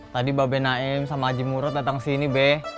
tadi mbak benaim sama aji murad datang sini be